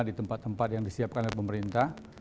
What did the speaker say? di tempat tempat yang disiapkan oleh pemerintah